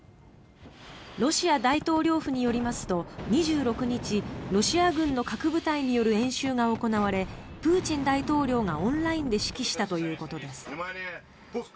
ロシア大統領府によりますと２６日ロシア軍の核部隊による演習が行われプーチン大統領がオンラインで指揮したということです。